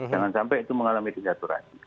jangan sampai itu mengalami sinyaturan